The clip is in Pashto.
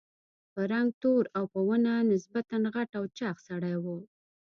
په رنګ تور او په ونه نسبتاً غټ او چاغ سړی و.